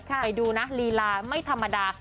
ไปดูนะลีลาไม่ธรรมดา